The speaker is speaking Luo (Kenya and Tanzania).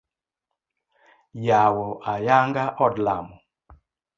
Yawo ayanga od lamo.